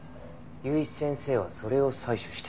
由井先生はそれを採取してた。